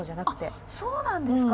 あっそうなんですか？